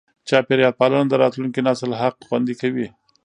چاپېریال پالنه د راتلونکي نسل حق خوندي کوي.